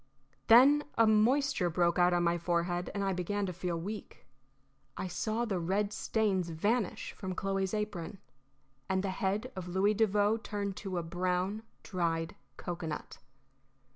Then a moisture broke out on my forehead, and I began to feel weak. I saw the red stains vanish from Chloe's apron, and the head of Louis Devoe turn to a brown, dried cocoanut.